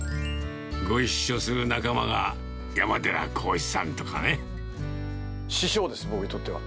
ご一緒する仲間が、師匠です、僕にとっては。